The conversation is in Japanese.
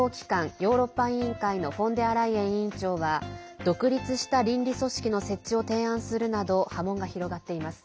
ヨーロッパ委員会のフォンデアライエン委員長は独立した倫理組織の設置を提案するなど波紋が広がっています。